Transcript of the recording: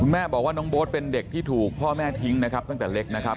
แม่บอกว่าน้องโบ๊ทเป็นเด็กที่ถูกพ่อแม่ทิ้งนะครับตั้งแต่เล็กนะครับ